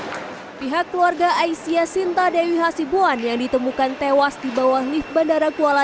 hai pihak keluarga aisyah sinta dewi hasibuan yang ditemukan tewas di bawah lift bandara kuala